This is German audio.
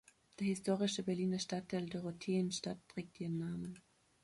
Der historische Berliner Stadtteil Dorotheenstadt trägt ihren Namen.